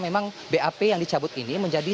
memang bap yang dicabut ini menjadi